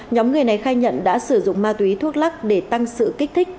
nhóm người này khai nhận đã sử dụng ma túy thuốc lắc để tăng sự kích thích